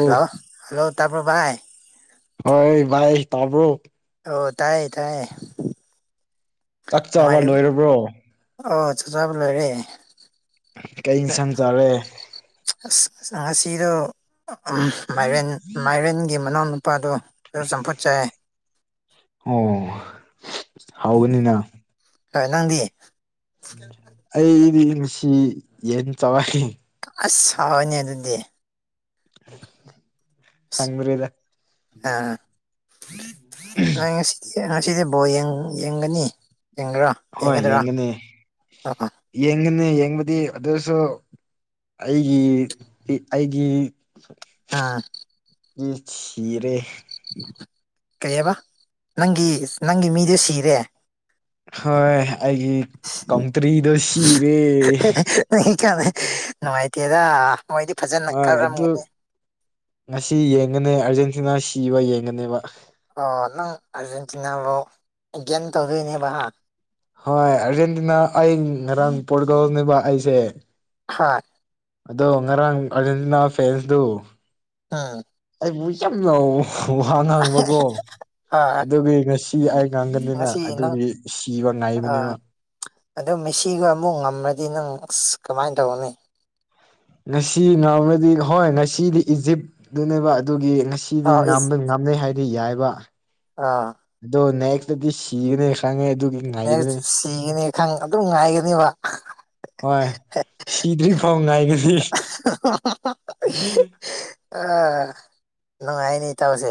hello hello ꯇꯥꯔꯕ꯭ꯔꯚꯥꯏ ꯍꯣꯏ ꯚꯥꯏ ꯇꯥꯕ꯭ꯔꯣ ꯑꯣ ꯇꯥꯏꯌꯦ ꯇꯥꯏꯌꯦ ꯆꯥꯛ ꯆꯥꯕ ꯅꯨꯡꯉꯥꯏꯔꯤ ꯂꯣꯏꯔꯕ꯭ꯔꯣ ꯑꯣ ꯆ ꯆꯥꯕ ꯂꯩꯒꯦ ꯀꯩ ꯏꯟꯁꯥꯡ ꯆꯥꯔꯦ ꯑꯁ ꯑꯁ ꯉꯁꯤꯗꯣ ꯃꯥꯏꯔꯦꯟ ꯃꯥꯏꯔꯦꯟꯒꯤ ꯃꯅꯥꯎꯅꯨꯄꯥꯗꯣ ꯑꯗꯨ ꯆꯝꯐꯠꯆꯦ ꯑꯣ ꯍꯥꯎꯒꯅꯤꯅ ꯍ ꯅꯪꯗꯤ ꯑꯩꯗꯤ ꯉꯁꯤ ꯌꯦꯟ ꯆꯔꯥꯛꯦ ꯑꯁ ꯍꯥꯎꯋꯅꯤ ꯑꯗꯨꯗꯤ ꯍꯪ ꯃꯔꯤꯗ ꯑ ꯅꯣꯏ ꯉꯁꯤꯗꯤ ꯉꯁꯤꯗꯤ ꯕꯣ ꯌꯦꯡꯒꯅꯤ ꯌꯦꯡꯒ꯭ꯔꯥ ꯍꯣꯏ ꯌꯦꯡꯒꯅꯤ ꯌꯦꯡꯒꯅꯤ ꯌꯦꯡꯕꯗꯤ ꯑꯗꯨꯁꯨ ꯑꯩꯒꯤ ꯑꯩꯒꯤ ꯑꯥ ꯆꯔꯦ ꯀꯩꯑꯕ ꯅꯪꯒꯤ ꯅꯪꯒꯤ ꯃꯤꯗꯨ ꯁꯤꯔꯦ ꯍꯣꯏ ꯑꯩꯒꯤ ꯀꯥꯡꯇ꯭ꯔꯤꯗꯣ ꯁꯤꯔꯦ ꯅ ꯀꯗ ꯅꯨꯡꯉꯥꯏꯇꯦꯗ ꯃꯣꯏꯗꯤ ꯐꯖꯅ ꯍꯣꯏ ꯑꯗꯨ ꯀꯥꯔꯝꯒꯅꯤ ꯉꯁꯤ ꯌꯦꯡꯒꯅꯦ ꯑꯥꯔꯖꯦꯟꯇꯤꯅꯥ ꯁꯤꯕ ꯌꯦꯡꯒꯅꯦꯕ ꯑꯣ ꯅꯪ ꯑꯥꯔꯖꯦꯟꯇꯤꯅꯥꯕꯨꯧ ꯒꯦꯟ ꯇꯧꯗꯣꯏꯅꯦꯕ ꯍꯣꯏ ꯑꯥꯔꯖꯦꯟꯇꯤꯅꯥ ꯑꯩ ꯉꯔꯥꯡ ꯄꯣꯔꯒꯧꯅꯦꯕ ꯑꯩꯁꯦ ꯍꯥ ꯑꯗꯣ ꯉꯔꯥꯡ ꯑꯥꯔꯖꯦꯟꯇꯤꯅꯥ ꯐꯦꯟꯁꯗꯨ ꯎꯝ ꯑꯩꯕꯨ ꯌꯥꯝ ꯋꯥꯍꯡ ꯍꯥꯡꯕꯀꯣ ꯍꯣꯏ ꯑꯗꯨꯒꯤ ꯉꯁꯤ ꯑꯩ ꯉꯥꯡꯒꯅꯤꯅ ꯉꯁꯤ ꯑꯗꯨꯒꯤ ꯁꯤꯕ ꯉꯥꯏꯕꯅꯦꯕ ꯑꯗꯣ ꯃꯤꯦꯁꯤꯒ ꯑꯃꯨꯛ ꯉꯝꯃꯗꯤ ꯅꯪ ꯑꯁ ꯀꯃꯥꯏꯅ ꯇꯧꯕꯅꯤ ꯉꯁꯤ ꯉꯥꯎꯕꯗꯤ ꯍꯣꯏ ꯉꯁꯤꯗꯤ ꯏꯖꯤꯞꯇꯅꯦꯕ ꯑꯗꯨꯒꯤ ꯉꯁꯤ ꯁꯤꯗꯤ ꯑꯥ ꯉ ꯏꯁ ꯉꯥꯝꯅꯩ ꯍꯥꯏꯗꯤ ꯌꯥꯏꯕ ꯑꯥ ꯑꯗꯣ ꯅꯦꯛꯁꯇꯗꯤ ꯁꯤꯒꯅꯤ ꯈꯪꯉꯦ ꯑꯗꯨ ꯁꯤꯒꯅꯤ ꯈꯪ ꯑꯗꯨꯝ ꯉꯥꯏꯒꯅꯦꯕ ꯍꯣꯏ ꯁꯤꯗ꯭ꯔꯤꯐꯥꯎ ꯉꯅꯥꯒꯁꯤ ꯑꯥ ꯅꯨꯡꯉꯥꯏꯅꯤ ꯇꯥꯎꯁꯦ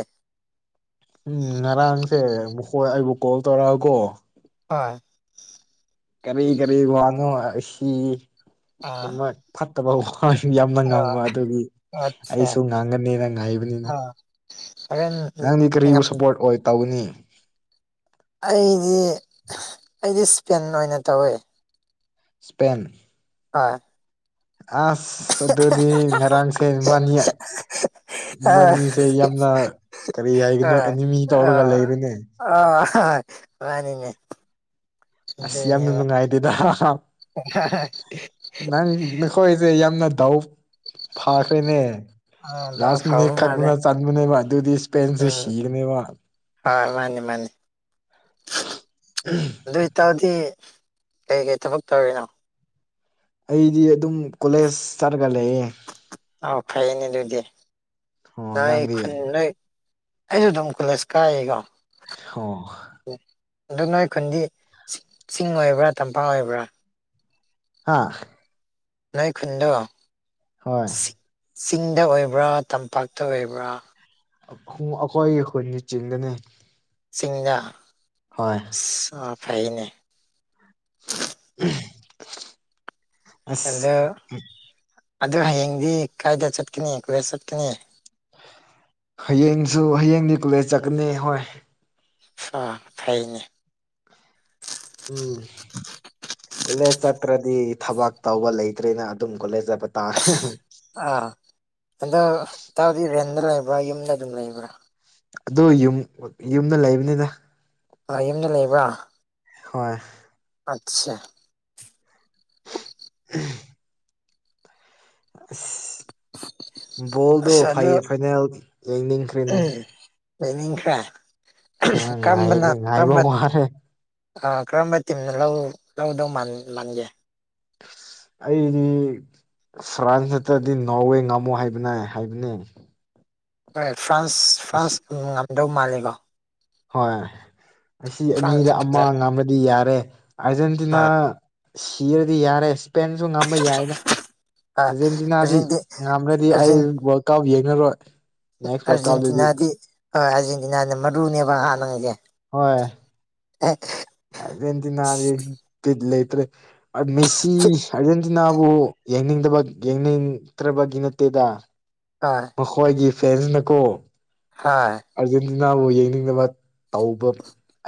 ꯎꯝ ꯉꯔꯥꯡꯁꯦ ꯃꯈꯣꯏ ꯑꯩꯕꯨ ꯀꯣꯜ ꯇꯧꯔꯛꯑꯀꯣ ꯍꯣꯏ ꯀꯔꯤ ꯀꯔꯤ ꯋꯥꯅꯣ ꯑꯁꯤ ꯑꯥ ꯄꯨꯝꯕ ꯐꯠꯇꯕ ꯍꯣꯏ ꯌꯥꯝꯅ ꯑꯥ ꯉꯥꯡꯕ ꯑꯗꯨꯒꯤ ꯑꯠꯆꯥ ꯑꯩꯁꯨ ꯉꯥꯡꯒꯅꯤꯅ ꯉꯥꯏꯕꯅꯤꯅ ꯁꯚꯦꯟ ꯅꯪꯗꯤ ꯀꯔꯤꯕꯨ ꯁꯄꯣꯔꯠ ꯑꯣꯏ ꯇꯧꯅꯤ ꯑꯩꯗꯤ ꯑꯩꯗꯤ ꯏꯁꯄꯦꯟ ꯑꯣꯏꯅ ꯇꯧꯋꯦ ꯁ꯭ꯄꯦꯟ ꯍ ꯑꯁ ꯑꯗꯨꯗꯤ ꯉꯔꯥꯡꯁꯦ ꯏꯕꯥꯅꯤ ꯑꯥ ꯏꯕꯥꯅꯤ ꯁꯦ ꯌꯥꯝꯅ ꯀꯔꯤ ꯍꯥꯏꯒꯅꯣ ꯑꯦꯅꯤꯃꯤ ꯇꯧꯔꯒ ꯂꯩꯔ‌ꯦꯅꯦ ꯑ ꯔꯅꯤꯅꯦ ꯑꯁ ꯌꯥꯝꯅ ꯅꯨꯡꯉꯥꯏꯗꯦꯗ ꯑ ꯅꯪ ꯃꯈꯣꯏꯁꯦ ꯌꯥꯝꯅ ꯗꯥꯎ ꯐꯈ꯭ꯔꯦꯅꯦ ꯗꯥꯎ ꯂꯥꯁ ꯐꯕ ꯃꯤꯅꯤꯠ ꯃꯥꯜꯂꯦ ꯈꯛꯅ ꯆꯟꯕꯅꯦꯕ ꯑꯗꯨꯗꯤ ꯏꯁꯄꯦꯟꯁ‌ꯦ ꯁꯤꯔꯅꯦꯕ ꯍ ꯃꯥꯅꯤ ꯃꯥꯅꯤ ꯎꯝ ꯑꯗꯨ ꯑꯣꯏꯇꯥꯔꯗꯤ ꯀꯩꯀꯩ ꯊꯕꯛ ꯇꯧꯔꯤꯅꯣ ꯑꯩꯗꯤ ꯑꯗꯨꯝ ꯀꯣꯂꯦꯖ ꯆꯠꯔꯒ ꯂꯩꯌꯦ ꯑꯥꯎ ꯐꯥꯏꯅꯦ ꯑꯗꯨꯗꯤ ꯑꯣ ꯑꯩꯥꯏ ꯅꯪꯗꯤ ꯈꯨꯟꯅꯩ ꯑꯩꯁꯨ ꯑꯗꯨꯝ ꯀꯣꯂꯦꯖ ꯀꯥꯏꯌꯦꯀꯣ ꯑꯣ ꯑꯣ ꯑꯗꯣ ꯅꯣꯏ ꯈꯨꯟꯗꯤ ꯆꯤꯡ ꯑꯣꯏꯕ꯭ꯔꯥ ꯇꯝꯄꯥꯛ ꯑꯣꯏꯕ꯭ꯔꯥ ꯍꯥꯥ ꯅꯣꯏꯈꯨꯟꯗꯣ ꯍꯣꯏ ꯆꯤꯡꯗ ꯑꯣꯏꯕ꯭ꯔꯥ ꯇꯝꯄꯥꯛꯇ ꯑꯣꯏꯕ꯭ꯔꯥ ꯑꯩꯈꯣꯏꯒꯤ ꯈꯨꯟꯅꯆꯤꯡꯗꯅꯦ ꯁꯤꯡꯌꯥ ꯍꯣꯏ ꯑꯣ ꯐꯩꯅꯦ ꯎ ꯑꯗꯣ ꯑꯗ‌ꯣ ꯍꯌꯦꯡꯗꯤ ꯀꯥꯏꯗ ꯆꯠꯀꯅꯤ ꯀꯦꯁ ꯆꯠꯀꯅꯤ ꯍꯌꯦꯡꯁꯨ ꯍꯌꯦꯡꯗꯤ ꯀꯣꯂꯦꯖ ꯆꯠꯀꯅꯤ ꯍꯣꯏ ꯑ ꯊꯥꯏꯅꯦ ꯎꯝ ꯀꯣꯂꯦꯖ ꯆꯠꯇ꯭ꯔꯗꯤ ꯊꯕꯛ ꯇꯧꯕ ꯂꯩꯇ꯭ꯔꯦꯅ ꯑꯗꯨꯝ ꯀꯣꯂꯦꯖ ꯆꯠꯄ ꯇꯥꯔꯦ ꯑꯥ ꯑꯗ ꯇꯥꯎꯗꯤ ꯔꯦꯟꯗ ꯂꯩꯕ꯭ꯔꯥ ꯌꯨꯝꯗ ꯑꯗꯨꯝ ꯂꯩꯕ꯭ꯔꯥ ꯑꯗꯨ ꯌꯨꯝ ꯌꯨꯝꯗ ꯂꯩꯕꯅꯤꯗ ꯌꯨꯝꯗ ꯂꯩꯕ꯭ꯔꯥ ꯍꯣꯏ ꯑꯠꯆꯥ ꯎꯝ ꯑꯁ ꯕꯣꯜꯗꯣ ꯑꯁ ꯑꯗꯨ ꯐꯥꯏꯅꯦꯜ ꯌꯦꯡꯅꯤꯡꯈ꯭ꯔꯦꯅꯦ ꯂꯩꯅꯤꯡ ꯈ꯭ꯔ‌ꯦ ꯍꯣꯏ ꯉꯥꯏꯅꯤ ꯉꯥꯏꯕ ꯀꯝꯕꯅꯝꯕ ꯋꯥꯔꯦ ꯑ ꯀꯔꯝꯕ ꯇꯤꯝꯅ ꯂꯧ ꯂꯧꯒꯗꯧ ꯃꯥꯟꯒꯦ ꯑꯩꯗꯤ ꯐ꯭ꯔꯥꯟꯁ ꯅꯠꯇ꯭ꯔꯗꯤ ꯅꯣꯔꯋꯦ ꯉꯝꯃꯣ ꯍꯥꯏꯕꯅ ꯍꯥꯏꯕꯅꯦ ꯍꯣꯏ ꯐ꯭ꯔꯥꯟꯁ ꯑꯁꯤ ꯐꯔ꯭ꯥꯟꯁ ꯉꯝꯗꯧ ꯃꯥꯜꯂꯤꯀꯣ ꯍꯣꯏ ꯑꯁꯤ ꯑꯅꯤꯗ ꯐ꯭ꯔꯥꯟꯁ ꯑꯃ ꯐꯖ ꯉꯝꯃꯕꯗꯤ ꯌꯥꯔꯦ ꯑꯥꯔꯖꯦꯟꯇꯤꯅꯥ ꯑ ꯁꯤꯔꯗꯤ ꯌꯥꯔꯦ ꯄꯦꯟꯁꯨ ꯉꯥꯝꯕ ꯌꯥꯏꯅ ꯑ ꯑꯥꯔꯖꯦꯟꯇꯤꯅꯥꯗꯤ ꯑꯔꯖꯦꯟꯇꯤ ꯉꯝꯃꯗꯤ ꯑꯩ ꯑꯔꯖꯦꯟ ꯒ‌ꯣꯜ ꯀꯥꯞ ꯌꯦꯡꯅꯔꯣꯏ ꯑꯥꯔꯖꯦꯟꯇꯤꯅꯥꯗꯤ ꯍꯣꯏ ꯑꯥꯔꯖꯦꯟꯇꯤꯅꯥꯅ ꯃꯔꯨꯅꯦꯕ ꯍꯥꯟꯅꯉꯩꯁꯦ ꯍꯣꯏ ꯑꯦꯛ ꯑꯔꯖꯦꯟꯇꯤꯅꯥ ꯌꯦ ꯄꯤꯠ ꯂꯩꯇ꯭ꯔꯦ ꯃꯦꯁꯤ ꯑꯔ ꯅꯥꯕꯨ ꯌꯦꯡꯅꯤꯡꯗꯕ ꯌꯦꯡꯅꯤꯡꯗ꯭ꯔꯕꯒꯤ ꯅꯠꯇꯦꯗ ꯑꯥꯏ ꯃꯈꯣꯏꯒꯤ ꯐꯦꯟꯁꯅꯀꯣ ꯍꯥ ꯑꯥꯔꯖꯦꯟꯇꯤꯅꯥꯕꯨ ꯌꯦꯡꯅꯤꯡꯅꯕ ꯇꯧꯕ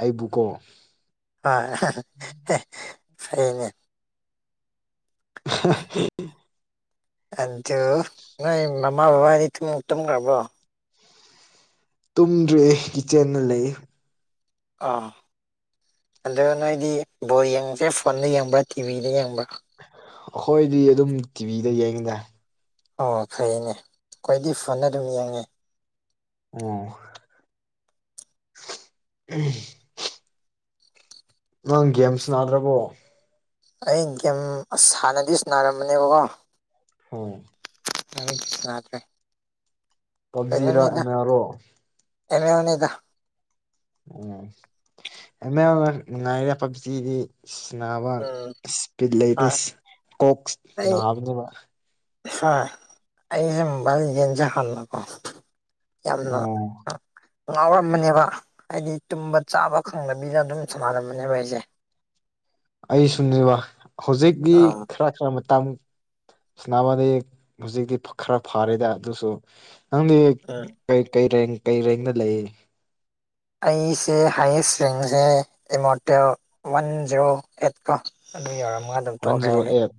ꯑꯩꯕꯨꯀꯣ ꯑ ꯑꯅꯦ [unintelligible] ꯑꯟꯗꯣ ꯅꯣꯏ ꯃꯃ ꯕꯕꯥꯅꯤ ꯊ ꯎꯛꯇ ꯔꯔꯕꯣ ꯇꯨꯝꯗ꯭ꯔꯦ ꯀꯤꯠꯆꯦꯟꯅ ꯂꯩ ꯑꯥ ꯑꯗꯣ ꯅꯣꯏꯗꯤ ꯕꯣꯏ ꯌꯦꯡꯁꯦ ꯐꯣꯟꯗ ꯌꯦꯡꯕ꯭ꯔꯥ ꯇꯤꯚꯤꯗ ꯌꯦꯡꯕ꯭ꯔꯥ ꯑꯩꯈꯣꯏꯗꯤ ꯑꯗꯨꯝ ꯇꯤꯚꯤꯗ ꯌꯦꯡꯉꯗꯔꯦ ꯑꯣ ꯐꯩꯅꯦ ꯈ꯭ꯋꯥꯏꯗꯤ ꯐꯅ ꯑꯗꯨꯝ ꯌꯦꯡꯉꯦ ꯑꯣꯝ [inaudible] ꯅꯪ ꯒꯦꯝ ꯁꯅꯥꯗ꯭ꯔꯕꯣ ꯑꯩ ꯒꯦꯝ ꯁꯥꯟꯅꯗꯤ ꯁꯅꯥꯔꯝꯕꯅꯦꯕꯀꯣ ꯍꯣ [unintelligible] ꯌꯥꯇ꯭ꯔꯦ ꯄꯞꯖꯤꯔꯥ ꯑ‌ꯦꯝꯃ‌ꯦꯜ ꯔ‌ꯣ ꯑꯦꯝꯃ‌ꯦꯜ ꯅꯦꯗ ꯎꯝ ꯑ ꯉꯥꯏꯔ ꯄꯞꯖꯤꯗꯤ ꯁꯅꯥꯕ ꯎꯝ ꯄꯤꯂꯗ ꯍꯣꯏ ꯀꯣꯛꯁ ꯅꯥꯕꯕ ꯁꯥꯔ ꯑꯩꯁꯦ ꯃꯣꯕꯥꯏꯜ ꯑꯦꯖꯦꯟꯁꯦ ꯈꯥꯟꯅꯀꯣ ꯌꯥꯝꯅ ꯑꯣ ꯉꯥꯎꯔꯝꯕꯅꯦꯕ ꯍꯥꯏꯗꯤ ꯇꯨꯝꯕ ꯆꯥꯕ ꯈꯪꯗꯕꯤꯗ ꯑꯗꯨꯝ ꯁꯥꯟꯅꯔꯝꯕꯅꯦꯕ ꯑꯩꯁꯦ ꯑꯩ ꯁꯨꯝꯅꯦꯕ ꯍꯧꯖꯤꯛꯀꯤ ꯑꯥ ꯈꯔ ꯈꯔ ꯃꯇꯥꯡ ꯁꯁꯅꯥꯕꯥꯗ ꯍꯧꯖꯤꯛꯇꯤ ꯈꯔ ꯐꯥꯔꯦꯗ ꯑꯗꯨꯁꯨ ꯅꯪꯗꯤ ꯎꯝ ꯀꯩ ꯀꯩ ꯔꯦꯡ ꯀꯩ ꯔꯦꯡꯅ ꯂꯩ ꯑꯩꯁꯦ ꯍꯥꯏꯌꯦꯁ ꯔꯤꯖꯦ ꯑꯦꯃꯣꯇꯣ ꯋꯥꯟ ꯖꯔꯣ ꯑꯦꯠꯀꯣ ꯑꯗꯨ ꯌꯧꯔꯝꯃꯒ ꯑꯗꯨꯝ ꯋꯥꯟ ꯇꯣꯛꯈ꯭ꯔꯦ ꯖꯤꯔꯣ ꯍꯥꯏꯗꯤ ꯑꯦꯠ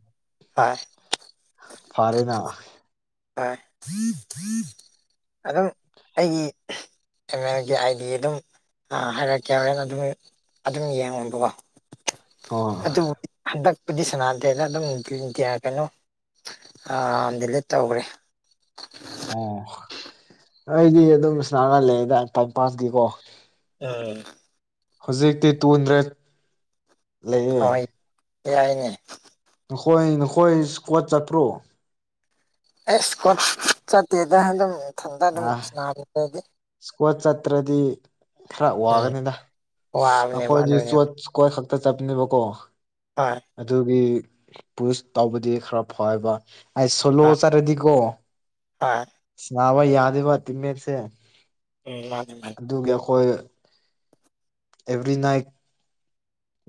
ꯍꯣꯏ ꯐꯥꯔꯦꯅ ꯍꯣꯏ ꯑꯗꯨꯝ ꯑꯩꯒꯤ ꯑꯦꯝ ꯑꯦꯜꯒꯤ ꯑꯥꯏ ꯗꯤ ꯑꯗꯨꯝ ꯍꯥꯏꯔꯛꯀꯦ ꯍꯣꯔꯦꯅ ꯑꯗꯨꯝ ꯑꯗꯨꯝ ꯌꯦꯡꯉꯣꯕꯀꯣ ꯑꯣ ꯑꯗꯨ ꯑꯗꯨ ꯍꯟꯗꯛꯄꯨꯗꯤ ꯁꯅꯥꯗꯦꯅ ꯑꯗꯨꯝ ꯀꯩꯅꯣ ꯗꯤꯂꯤꯠ ꯇꯧꯈ꯭ꯔꯦ ꯑꯣ ꯑꯩꯗꯤ ꯑꯗꯨꯝ ꯁꯅꯥꯒ ꯂꯩꯗ ꯇꯥ ꯄꯀꯤꯀꯣ ꯎꯝ ꯍꯧꯖꯤꯛꯇꯤ ꯇꯨꯗ꯭ꯔꯦ ꯍꯣꯏ ꯌꯥꯏꯅꯦ ꯅꯈꯣꯏ ꯅꯈꯣꯏ ꯀꯣꯠ ꯆꯠꯄ꯭ꯔꯣ ꯑꯩ ꯀꯣꯠ ꯆꯠꯇꯦꯗ ꯑꯗꯨꯝ ꯏꯊꯟꯇ ꯑꯗꯨꯝ ꯅꯥꯔꯤꯗꯤ ꯁꯀꯣꯠ ꯆꯠꯇ꯭ꯔꯗꯤ ꯈꯔ ꯎꯝ ꯋꯥꯒꯅꯤꯗ ꯋꯥꯕꯅꯦꯕ ꯑꯩꯈꯣꯏꯗꯤ ꯑꯗꯨꯅꯦꯕ ꯀꯣꯏ ꯁꯛꯇ ꯆꯞꯅꯤꯕꯣ ꯀꯣ ꯍꯣꯏ ꯑꯗꯨꯒꯤ ꯄꯨꯁ ꯇꯧꯕꯗꯤ ꯈꯔ ꯐꯕ ꯑꯩ ꯁꯣꯂꯣ ꯆꯥꯔꯦꯗꯤꯀꯣ ꯑꯥ ꯁꯕ ꯌꯥꯗ ꯋꯥ ꯇꯝꯃꯦꯔꯁꯦ ꯎꯝ ꯃꯥꯅꯤ ꯑꯗꯨꯒꯤ ꯑꯩꯈꯣꯏ ꯑꯦꯕ꯭ꯔꯤ ꯏꯠ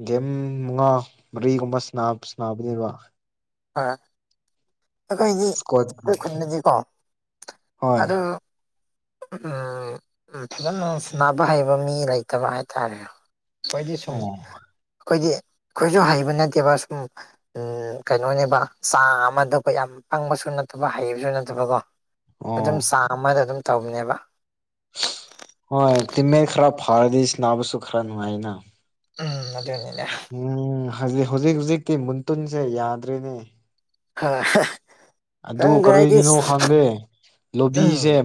ꯒꯦꯝ ꯃꯉꯥ ꯃꯔꯤꯒꯨꯝꯕ ꯁꯅꯥꯕꯅꯦꯕ ꯍꯣꯏ ꯑꯩꯈꯣꯏꯗꯤ ꯏꯁꯀ꯭ꯋꯥꯠ ꯑꯩꯈꯣꯏ ꯈꯨꯟꯗꯗꯤꯀꯣ ꯍꯣꯏ ꯑꯗꯨ ꯎꯝ ꯐꯖꯅ ꯁꯅꯕ ꯍꯩꯕ ꯃꯤ ꯂꯩꯇꯕ ꯍꯥꯏꯇꯥꯔꯦ ꯀꯣꯏꯗꯤꯁꯨꯝ ꯑꯣ ꯑꯩꯈꯣꯏꯗꯤ ꯑꯩꯈꯣꯏꯁꯨ ꯍꯩꯕ ꯅꯠꯇꯦꯕ ꯁꯁꯨꯝ ꯀꯩꯅꯣꯅꯦꯕ ꯆꯥ ꯑꯃꯗ ꯑꯩꯈꯣꯏ ꯌꯥꯝ ꯄꯪꯕꯁꯨ ꯅꯠꯇꯕ ꯍꯩꯕꯁꯨ ꯅꯠꯇꯕꯀꯣ ꯑꯣ ꯑꯗꯨꯝ ꯆꯥꯃꯗ ꯑꯗꯨꯝ ꯇꯧꯕꯅꯦꯕ ꯍꯣꯏ ꯇꯃꯦ ꯈꯔ ꯐꯥꯔꯗꯁ ꯅꯥ ꯄꯁꯁꯨ ꯈꯔ ꯅꯨꯡꯉꯥꯏꯅ ꯎꯝ ꯑꯗꯨꯅꯤꯅ ꯎꯝ ꯍꯧꯖꯤꯛ ꯍꯧꯖꯤꯛ ꯍꯧꯨꯖꯤꯛꯇꯤ ꯃꯨꯟꯇꯨꯟꯁꯦ ꯌꯥꯗ꯭ꯔꯤꯅꯦ ꯍꯥ [unintelligible] ꯑꯗꯨ ꯀꯔꯤꯒꯤꯅꯣ ꯈꯪꯗꯦ ꯂꯣꯕꯤꯁꯦ ꯎꯝ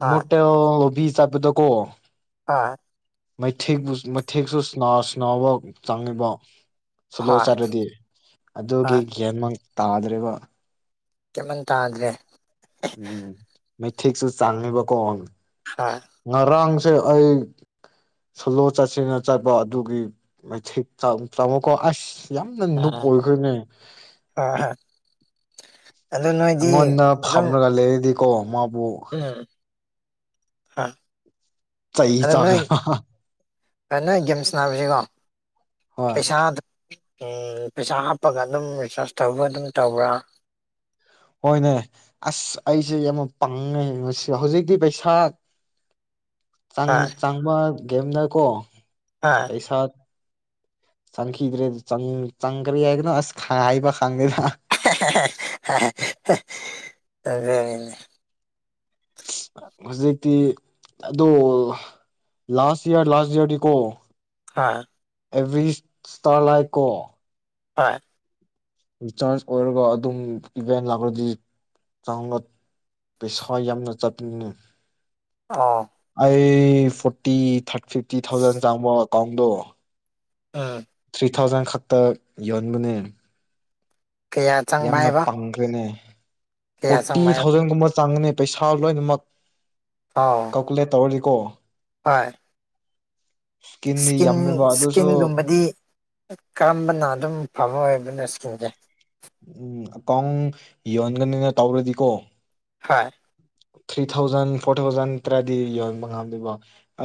ꯍꯣꯏ ꯃꯣꯇꯣ ꯕꯤ ꯆꯠꯄꯗꯣ ꯀꯣ ꯑꯥ ꯃꯩꯊꯦꯛ ꯃꯩꯊꯦꯛꯁꯨ ꯁꯅꯥꯕ ꯆꯪꯉꯤꯕ ꯁꯣꯂꯣ ꯍꯣꯏ ꯆꯠ꯭ꯔꯗꯤ ꯑꯗꯨꯒꯤ ꯍꯣꯏ ꯒ꯭ꯌꯥꯟꯃꯥꯟ ꯇꯥꯗ꯭ꯔꯦꯕ ꯒ꯭ꯌꯥꯟ ꯃꯥꯟ ꯇꯥꯗ꯭ꯔꯦ ꯎꯝ ꯃꯩꯊꯦꯛꯁꯨ ꯆꯥꯡꯉꯦꯕꯀꯣ ꯍꯥ ꯉꯔꯥꯡꯁꯦ ꯑꯩ ꯁꯣꯂꯣ ꯆꯠꯁꯤꯟꯅ ꯆꯠꯄ ꯑꯗꯨꯒꯤ ꯃꯩꯊꯤ ꯆꯥꯃꯨꯛꯀꯣ ꯑꯁ ꯌꯥꯝꯅ ꯅꯨꯞ ꯑꯣꯏꯈ꯭ꯔꯦꯅꯦ ꯑꯥ ꯑꯩꯉꯣꯟꯗ ꯐꯝꯂꯒ ꯂꯩꯔꯗꯤꯀꯣ ꯃꯥꯕꯨ ꯎꯝ ꯑ ꯆꯩ ꯑꯗꯥ ꯉꯔꯥꯡ ꯆꯥꯒꯗꯕ ꯅꯪ ꯒꯦꯝꯁ ꯁꯥꯟꯅꯕꯁꯤꯀꯣ ꯍꯣꯏ ꯄꯩꯁꯥ ꯑꯝ ꯄꯩꯁꯥ ꯍꯥꯞꯄꯒ ꯑꯗꯨꯝ ꯔꯤꯆꯥꯔꯖ ꯇꯧꯕ ꯑꯗꯨꯝ ꯇꯧꯕ꯭ꯔꯥ ꯍꯣꯏꯅꯦ ꯑꯁ ꯑꯩꯁꯦ ꯌꯥꯝ ꯄꯥꯡꯉꯦ ꯍꯧꯖꯤꯛꯇꯤ ꯄꯩꯁꯥ ꯆꯥꯡ ꯍꯣꯏ ꯆꯥꯡꯕ ꯒꯦꯝꯗꯀꯣ ꯑ ꯄꯩꯁꯥ ꯆꯪꯈꯤꯗ꯭ꯔꯦ ꯆꯪꯈ꯭ꯔꯦ ꯍꯥꯏꯗꯅ ꯑꯁ ꯍꯥꯏꯕ ꯈꯪꯗꯦꯗ [unintelligible] ꯍꯧꯖꯤꯛꯇꯤ ꯑꯗꯣꯜ ꯂꯥꯁ ꯌꯥꯔ ꯂꯥꯁ ꯌꯥꯔꯒꯤꯗꯤꯀꯣ ꯍ ꯑꯦꯕ꯭ꯔꯤ ꯏꯁꯇꯥꯔ ꯂꯥꯏꯠ ꯀꯣ ꯍꯣꯏ ꯔꯤꯆꯥꯔꯖ ꯑꯣꯏꯔꯒ ꯑꯗꯨꯝ ꯏꯚꯦꯟ ꯂꯥꯛꯂꯗꯤ ꯄꯩꯁꯥ ꯌꯥꯝꯅ ꯆꯠꯄꯅꯤꯅꯦ ꯑꯣ ꯑꯩ ꯐꯣꯔꯇꯤ ꯊꯥꯔꯇꯤ ꯐꯤꯐꯇꯤ ꯊꯥꯎꯖꯟ ꯆꯥꯡꯕ ꯑꯦꯀꯥꯎꯟꯗꯣ ꯎꯝ ꯊ꯭ꯔꯤ ꯊꯥꯎꯖꯟ ꯈꯛꯇ ꯌꯣꯟꯕꯅꯦ ꯀꯌꯥ ꯆꯪꯕ ꯌꯥꯝꯅ ꯍꯥꯏꯕ ꯄꯪꯈ꯭ꯔꯦꯅꯦ ꯀꯌꯥ ꯐꯣꯔꯇꯤ ꯆꯪꯕ ꯍꯥꯏꯕ ꯊꯥꯎꯖꯟꯒꯨꯝꯕ ꯆꯥꯡꯒꯅꯤ ꯄꯩꯁꯥ ꯂꯣꯏꯅꯃꯛ ꯑꯣ ꯀꯜꯀꯨꯂꯦꯠ ꯇꯧꯔꯗꯤꯀꯣ ꯍꯣꯏ ꯏꯁꯀꯤꯝꯗꯤ ꯏꯁꯀꯤꯟ ꯌꯥꯝꯃꯦꯕ ꯑꯗꯨꯁꯨ ꯏꯁꯀꯤꯟꯒꯨꯝꯕꯗꯤ ꯀꯔꯝꯕꯅ ꯑꯗꯨꯝ ꯐꯕ ꯑꯣꯏꯕꯅꯣ ꯏꯁꯀꯤꯟꯁꯦ ꯎꯝ ꯑꯀꯥꯎꯟ ꯌꯣꯟꯒꯅꯤꯅ ꯇꯧꯔꯗꯤꯀꯣ ꯍꯣꯏ ꯊ꯭ꯔꯤ ꯊꯥꯎꯖꯟ ꯐꯣꯔ ꯊꯥꯎꯖꯟ ꯇꯔꯥꯗꯤ ꯌꯣꯟꯟꯕ ꯉꯥꯝꯗꯣꯏꯕꯣ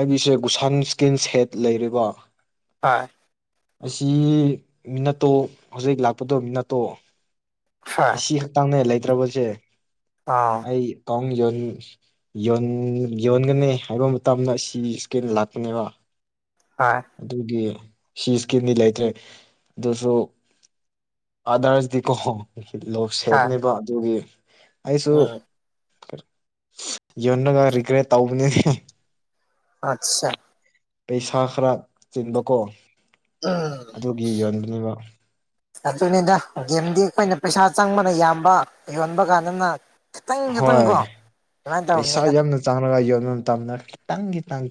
ꯑꯩꯒꯤꯁꯦ ꯒꯨꯁꯥꯟ ꯏꯁꯀꯤꯟ ꯁꯦꯠ ꯂꯩꯔꯤꯕꯣ ꯍꯣꯏ ꯑꯁꯤ ꯃꯤꯅꯠꯇꯣ ꯍꯧꯖꯤꯛ ꯂꯥꯛꯄꯗꯧ ꯃꯤꯅꯠꯇꯣ ꯍꯣꯏ ꯑꯁꯤ ꯈꯛꯇꯥꯡꯅꯦ ꯂꯩꯇ꯭ꯔꯕꯁꯦ ꯑꯥ ꯑꯩ ꯑꯀꯥꯎꯟ ꯌꯣꯟ ꯌꯣꯟ ꯌꯣꯟꯒꯅꯤ ꯍꯥꯏꯕ ꯃꯇꯝꯗ ꯁꯤ ꯏꯁꯀꯤꯜ ꯂꯥꯛꯄꯅꯦꯕ ꯍ ꯑꯗꯨꯒꯤ ꯁꯤ ꯏꯁꯀꯤꯝꯗꯤ ꯂꯩꯇ꯭ꯔꯦ ꯑꯗꯨꯁꯨ ꯑꯥꯗꯔꯁꯗꯤꯀꯣ ꯂꯣꯛ ꯍꯣꯏ ꯁꯦꯠꯅꯦꯕ ꯑꯗꯨꯒꯤ ꯑꯩꯁꯨ ꯎꯝ ꯌꯟꯅꯒ ꯔꯤꯒ꯭ꯔꯦꯠ ꯇꯧꯕꯅꯤ ꯑꯠꯆꯥ ꯄꯩꯁꯥ ꯈꯔ ꯆꯤꯟꯕꯀꯣ ꯑꯥ ꯑꯗꯨꯒꯤ ꯌꯣꯟꯕꯅꯦꯕ ꯑꯗꯨꯅꯤꯗ ꯒꯦꯝꯗꯤ ꯑꯩꯈꯣꯏꯅ ꯄꯩꯁꯥ ꯆꯪꯕꯅ ꯌꯥꯝꯕ ꯌꯣꯟꯕ ꯀꯥꯟꯗꯅ ꯈꯤꯇꯪ ꯈꯤꯇꯪ ꯀꯣ ꯁꯨꯃꯥꯏꯅ ꯇꯧꯔꯕꯅꯤꯅ ꯆꯥꯡꯉꯒ ꯌꯣꯟ ꯃꯇꯝꯝꯗ ꯇꯪꯒꯤ ꯇꯪ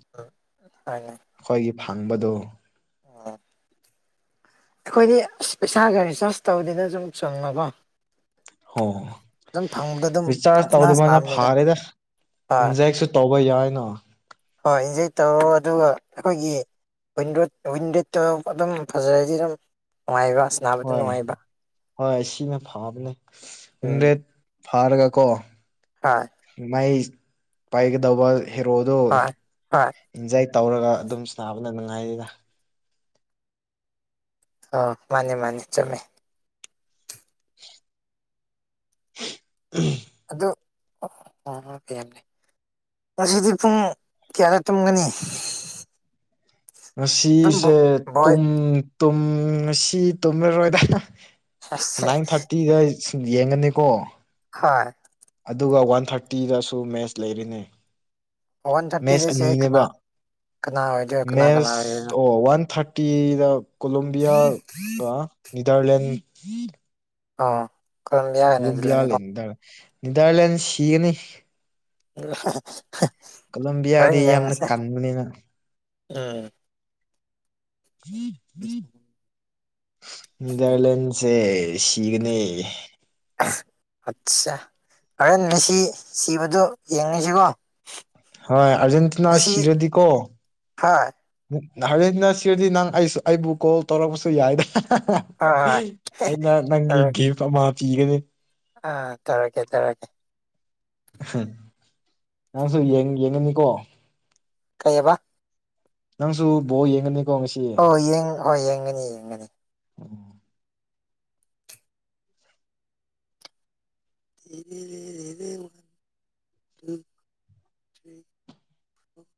ꯍꯥꯏ ꯑꯩꯈꯣꯏꯒꯤ ꯐꯪꯕꯗꯣ ꯑꯣ ꯑꯩꯈꯣꯏꯗꯤ ꯑꯁ ꯄꯩꯁꯥꯒ ꯔꯤꯆꯥꯔꯖ ꯇꯧꯗꯅ ꯁꯨꯝ ꯆꯪꯉꯕꯣ ꯑ ꯐꯪꯕꯗ ꯑꯗꯨꯝ ꯔꯤꯆꯥꯔꯖ ꯄꯪꯁꯅꯥ ꯇꯧꯗꯃꯅ ꯁꯅꯥꯕꯅꯤꯗ ꯐꯥꯔꯦꯗ ꯍꯣꯏ ꯏꯟꯖꯦꯛꯁꯨ ꯇꯧꯕ ꯌꯥꯏꯅ ꯍꯣꯏ ꯏꯟꯖꯣꯏ ꯇꯧꯔꯣ ꯑꯗꯨꯒ ꯑꯩꯈꯣꯏꯒꯤ ꯋꯤꯟꯗꯣꯗ ꯋꯤꯟ ꯔꯦꯗꯠꯇꯣ ꯑꯗꯨꯝ ꯐꯖꯔꯗꯤ ꯑꯗꯨꯝ ꯅꯨꯡꯉꯥꯏꯕ ꯁꯅꯥꯕꯗ ꯍꯣꯏ ꯅꯨꯡꯉꯥꯏꯕ ꯍꯣꯏ ꯁꯤꯅ ꯐꯕꯅꯦꯗꯦꯠ ꯐꯥꯔꯒ ꯀꯣ ꯍ ꯃꯥꯏ ꯄꯥꯏꯒꯗꯧꯕ ꯍꯦꯔꯣꯗꯣ ꯍꯣꯏ ꯍꯣꯏ ꯏꯟꯖꯣꯏ ꯇꯧꯔꯒ ꯑꯗꯨꯝꯕꯅ ꯅꯨꯡꯉꯥꯏꯔꯤꯗ ꯑ ꯃꯥꯅꯦ ꯃꯥꯅꯦ ꯆꯨꯝꯃꯦ [unintelligible] ꯎꯝ ꯑꯗꯨ ꯑꯣꯃꯦ ꯉꯁꯤꯗꯤ ꯄꯨꯡ ꯀꯌꯥꯗ ꯇꯨꯝꯒꯅꯤ ꯑꯗꯨꯝ ꯉꯁꯤꯁꯦ ꯕꯣꯏ ꯇꯨꯝ ꯇꯨꯝ ꯉꯁꯤ ꯇꯨꯝꯂꯔꯣꯏꯗ ꯑꯁ ꯅꯥꯏꯟ ꯊꯥꯔꯇꯤꯗ ꯌꯦꯡꯒꯅꯤꯀꯣ ꯍ ꯑꯗꯨꯒ ꯋꯥꯟ ꯊꯥꯔꯇꯤꯗꯁꯨ ꯃꯦꯠꯆ ꯂꯩꯔꯤꯅꯦ ꯋꯥꯟ ꯃꯦꯁ ꯊꯥꯔꯇꯤꯗꯁꯦ ꯀꯅꯥ ꯑꯅꯤꯅꯦꯕ ꯀꯅꯥ ꯑꯣꯏꯗꯣꯏ ꯀꯅꯥ ꯀꯅꯥ ꯃꯦꯁ ꯑꯣꯏꯗꯣꯏꯅꯣ ꯑꯣ ꯋꯥꯟ ꯊꯥꯔꯇꯤ ꯇꯤꯗ ꯀꯣꯂꯣꯕꯤꯌꯥꯒ ꯅꯤꯗꯔꯂꯦꯟ ꯑꯣ ꯀꯂꯦꯝꯤꯌꯥ ꯍꯥꯏꯅ ꯑꯗꯨ ꯅꯅꯤꯗꯔꯂꯦꯟ ꯁꯤꯒꯅꯤ ꯎ ꯀꯣꯂꯝꯕꯤꯌꯥꯗꯤ ꯌꯥꯝꯅ ꯀꯟꯕꯅꯤꯅ ꯎꯝ [unintelligible] [unintelligible] ꯅꯅꯤꯗꯔꯂꯦꯟꯁꯦ ꯁꯤꯒꯅꯦ ꯑꯠꯆꯥ ꯍꯔꯦꯟꯅꯦꯁꯤ ꯁꯤꯕꯗꯣ ꯌꯦꯡꯉꯁꯤꯀꯣ ꯍꯣꯏ ꯑꯔꯖꯦꯟꯇꯅꯥ ꯉꯁꯤ ꯁꯤꯔꯗꯤ ꯀꯣ ꯍꯣꯏ ꯍꯔꯦꯟꯅ ꯁꯤꯔꯗꯤ ꯅꯪ ꯑꯩꯁꯨ ꯑꯩꯕꯨ ꯀꯣꯜ ꯇꯧꯔꯛꯄꯁꯨ ꯌꯥꯏꯗ ꯍꯣꯏ ꯍꯣꯏ ꯑꯩꯅ ꯅꯪꯒꯦ ꯃꯥ ꯄꯤꯒꯅꯦ ꯑ ꯇꯔꯣꯀꯦ ꯇꯔꯣꯀꯦ ꯅꯪꯁꯨ ꯌꯦꯡꯉꯅꯤꯀꯣ ꯀꯩꯌꯦꯕ ꯅꯪꯁꯨ ꯕꯣ ꯌꯦꯡ ꯑꯣꯡ ꯍꯣꯏ ꯌꯦꯡꯒꯅꯤ ꯌꯦꯡꯒꯅꯤ ꯑꯣ ꯗ